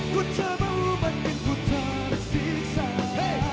ku tak mau bikin ku tersiksa